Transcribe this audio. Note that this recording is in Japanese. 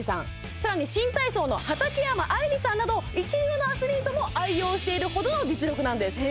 更に新体操の畠山愛理さんなど一流のアスリートも愛用しているほどの実力なんです